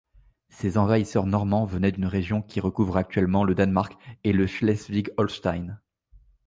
Ces envahisseurs normands venaient d’une région qui recouvre actuellement le Danemark et le Schleswig-Holstein.